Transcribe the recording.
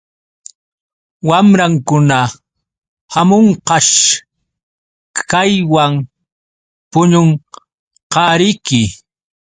Wamrankuna hamunqash kaywan puñunqariki.